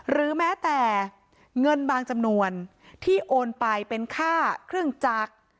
หรือแม้แต่เงินบางจำนวนที่โอนไปเป็นค่าเครื่องจักร